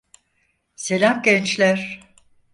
Selam gençler.